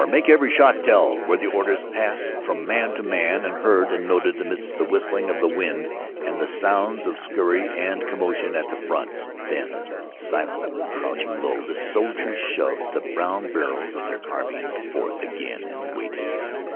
Make every shot tell!" were the orders passed from man to man and heard and noted amidst the whistling of the wind and the sounds of scurry and commotion at the front. Then, silent and crouching low, the soldiers shoved the brown barrels of their carbines forth again and waited.